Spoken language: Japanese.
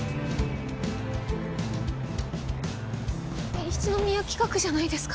えっ一之宮企画じゃないですか。